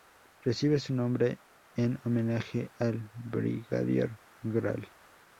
Recibe su nombre en homenaje al Brigadier Gral.